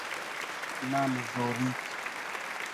نا نزوریک